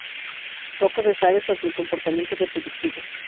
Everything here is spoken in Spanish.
Poco se sabe sobre el comportamiento reproductivo.